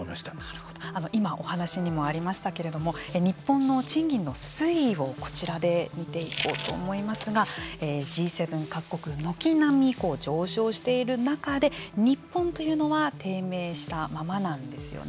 今、お話にもありましたけれども日本の賃金の推移をこちらで見ていこうと思いますがＧ７各国軒並み上昇している中で日本というのは低迷したままなんですよね。